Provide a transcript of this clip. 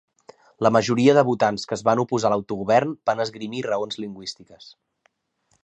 La majoria dels votants que es van oposar a l'autogovern van esgrimir raons lingüístiques.